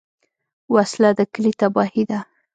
وسله د کلي تباهي ده